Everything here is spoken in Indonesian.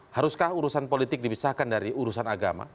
haruskah urusan politik dibisahkan dari urusan agama